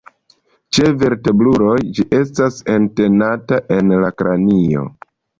Ĉe vertebruloj ĝi estas entenata en la kranio.